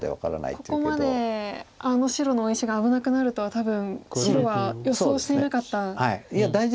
ここまであの白の大石が危なくなるとは多分白は予想していなかった。